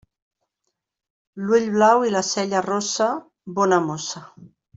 L'ull blau i la cella rossa, bona mossa.